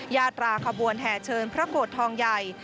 ญาตราขบวนแห่เชิญพระโกรธทองใหญ่